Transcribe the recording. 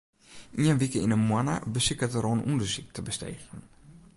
Ien wike yn 'e moanne besiket er oan ûndersyk te besteegjen.